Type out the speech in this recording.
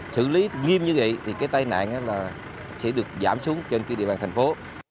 xử lý nghiêm như vậy tai nạn sẽ được giảm xuống trên địa bàn thành phố